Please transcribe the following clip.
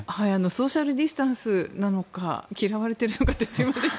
ソーシャル・ディスタンスなのか嫌われているのかってすいません